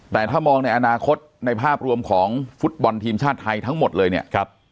แต่ถ้ามองในอนาคตในภาพรวมของฟุตบอลทีมชาติไทยทั้งหมดเลยเนี่ย